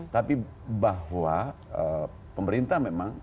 tapi bahwa pemerintah memang